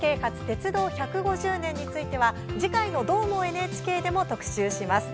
鉄道１５０年」については次回の「どーも、ＮＨＫ」でも特集します。